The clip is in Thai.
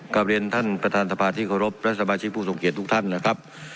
กราบเรียนท่านประธานทรัพย์ที่ขอรบและสมาชิกผู้ทรงเกียรติทุกท่านนะครับ